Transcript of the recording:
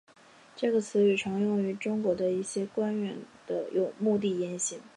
这个词语常用于中国一些官员的有目的言行。